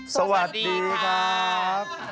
สวัสดีครับ